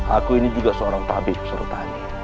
aku ini juga seorang tabib suruh tadi